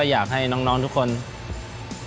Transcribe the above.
ค่อยสอนเราอะไรเราก็พัฒนาขึ้นมาครับ